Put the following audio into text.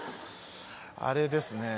あれですねぇ。